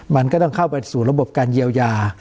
มันก็ต้องเข้าไปสู่ระบบการเยียวยา